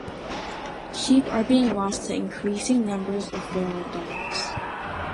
Sheep are being lost to increasing numbers of feral dogs.